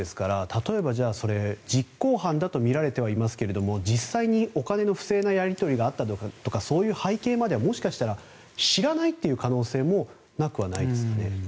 例えば実行犯だとみられてはいますが実際にお金の不正なやり取りがあったのかとかそういった背景を知らないという可能性はないですかね。